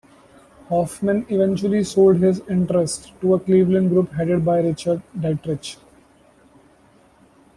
Hoffman eventually sold his interest to a Cleveland group headed by Richard Dietrich.